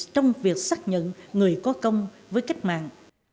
trong việc xác nhận người có công với cách mạng